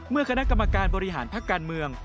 เมื่อคณะกรรมการบริหารพักการเมือง